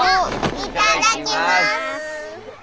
いただきます！